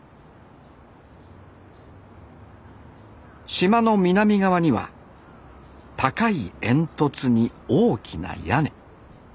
島の南側には高い煙突に大きな屋根。